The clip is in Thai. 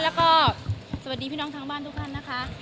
แล้วก็สบดีพี่น้องทั้งบ้านทุกครั้นนะคะ